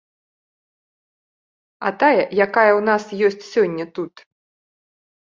А тая, якая ў нас ёсць сёння тут?